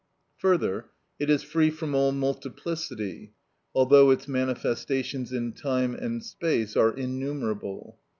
Further, it is free from all multiplicity, although its manifestations in time and space are innumerable.